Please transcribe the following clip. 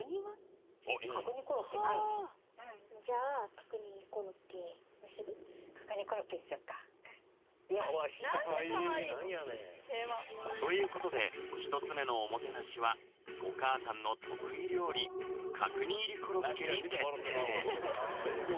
あっじゃあうんよしということで１つ目のおもてなしはお母さんの得意料理角煮入りコロッケに決定